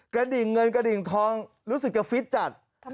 แก่ดิงเงินแกะดิงทองรู้สึกจะฟิตจัด